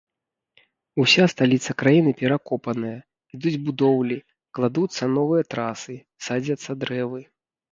Уся сталіца краіны перакопаная, ідуць будоўлі, кладуцца новыя трасы, садзяцца дрэвы.